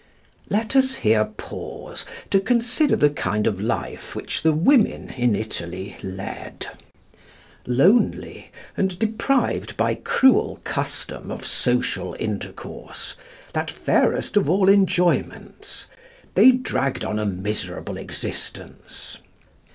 Let us here pause to consider the kind of life which the women in Italy led. Lonely, and deprived by cruel custom of social intercourse, that fairest of all enjoyments, they dragged on a miserable existence.